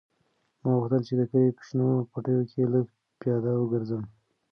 ما غوښتل چې د کلي په شنو پټیو کې لږ پیاده وګرځم.